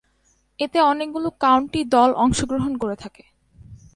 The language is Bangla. এতে অনেকগুলো কাউন্টি দল অংশগ্রহণ করে থাকে।